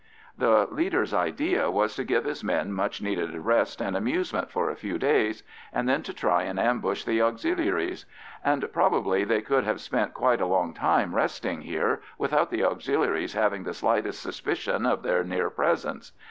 The leader's idea was to give his men much needed rest and amusement for a few days, and then to try and ambush the Auxiliaries; and probably they could have spent quite a long time resting here without the Auxiliaries having the slightest suspicion of their near presence.